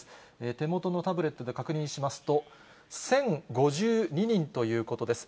手元のタブレットで確認しますと、１０５２人ということです。